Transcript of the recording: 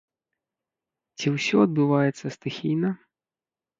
Ці ўсё адбываецца стыхійна?